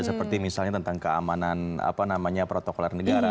seperti misalnya tentang keamanan protokolernegara